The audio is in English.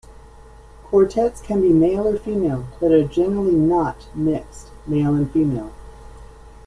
Quartets can be male or female, but are generally not mixed male and female.